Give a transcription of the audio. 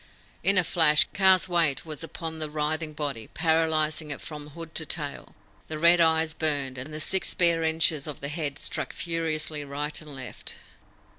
In a flash, Kaa's weight was upon the writhing body, paralysing it from hood to tail. The red eyes burned, and the six spare inches of the head struck furiously right and left.